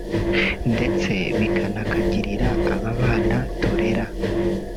ndetse bikanakagirira aba bana turera"